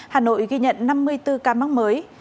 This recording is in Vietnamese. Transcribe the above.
hà nội ghi nhận năm mươi bốn ca mắc mới